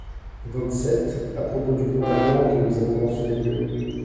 vingt-sept) à propos du conte allemand que nous avons mentionné plus haut.